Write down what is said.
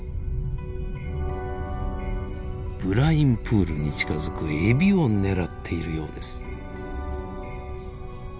ブラインプールに近づくエビを狙っているようです。